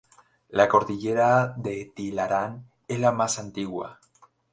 La Cordillera de Tilarán es la más antigua.